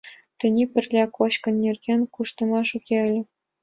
— Тений пырля кочкыш нерген кӱштымаш уке ыле...